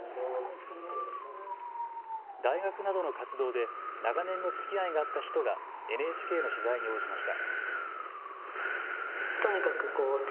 大学などの活動で長年のつきあいがあった人がＮＨＫの取材に応じました。